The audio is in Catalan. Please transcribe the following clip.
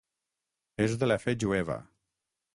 És de la fe jueva.